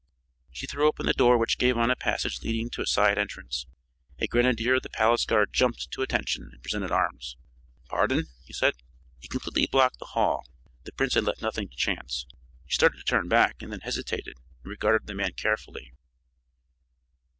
She threw open the door which gave on a passage leading to a side entrance. A grenadier of the palace guard jumped to attention and presented arms. "Pardon," he said. He completely blocked the hall; the prince had left nothing to chance. She started to turn back and then hesitated and regarded the man carefully.